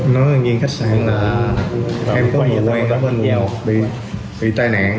nói nghe khách sạn là em có người quen ở bên nhau bị tai nạn